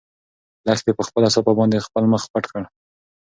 لښتې په خپله صافه باندې خپل مخ پټ کړ.